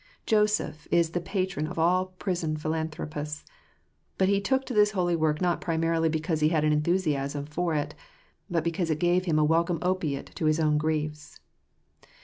Joseph is the patron of all prison philanthropists; but he took to this holy work not primarily because he had an enthusiasm for it, but because it gave a welcome opiate to his own griefs.